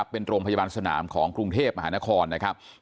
เป็นโรงพยาบาลสนามของประหลาดกรุงเทพฯมหานคร